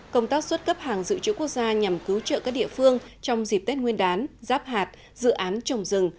công tác xuất cấp hàng dự trữ quốc gia nhằm cứu trợ các địa phương trong dịp tết nguyên đán giáp hạt dự án trồng rừng